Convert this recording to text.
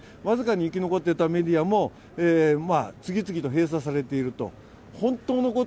僅かに生き残っていたメディアも次々と閉鎖されている。